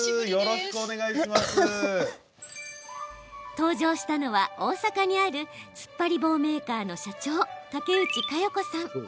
登場したのは、大阪にあるつっぱり棒メーカーの社長竹内香予子さん。